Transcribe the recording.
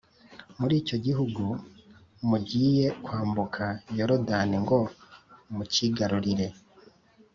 muri icyo gihugu mugiye kwambuka Yorodani ngo mucyigarurire